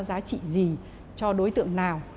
giá trị gì cho đối tượng nào